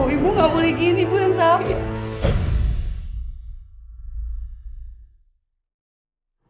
ibu gak boleh gini ibu yang salah